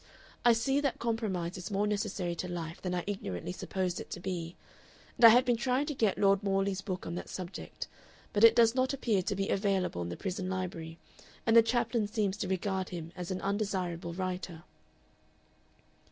I see that compromise is more necessary to life than I ignorantly supposed it to be, and I have been trying to get Lord Morley's book on that subject, but it does not appear to be available in the prison library, and the chaplain seems to regard him as an undesirable writer."